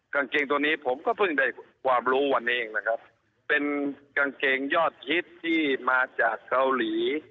กางเกงตัวนี้ผมก็เพิ่งได้ความรู้วันนี้เองนะครับเป็นกางเกงยอดฮิตที่มาจากเกาหลี